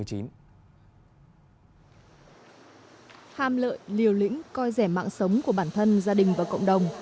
hàm lợi liều lĩnh coi rẻ mạng sống của bản thân gia đình và cộng đồng